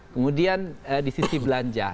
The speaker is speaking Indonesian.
kemudian di sisi belanja